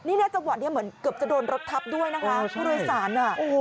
นี่จังหวะเกือบจะโดนรถทับด้วยนะคะผู้โดยสาร